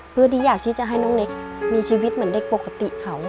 เพื่อที่อยากที่จะให้น้องเล็กมีชีวิตเหมือนเด็กปกติเขา